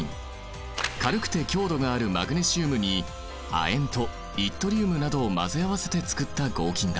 軽くて強度があるマグネシウムに亜鉛とイットリウムなどを混ぜ合わせてつくった合金だ。